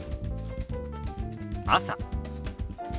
「朝」。